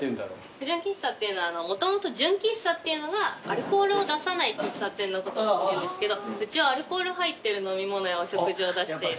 不純喫茶っていうのはもともと純喫茶っていうのがアルコールを出さない喫茶店のことを言うんですけどうちはアルコール入ってる飲み物やお食事を出している。